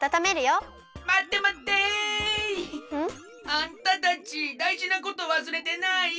あんたたちだいじなことわすれてない！？